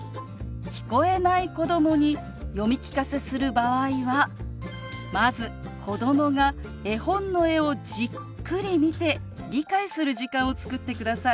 聞こえない子どもに読み聞かせする場合はまず子どもが絵本の絵をじっくり見て理解する時間を作ってください。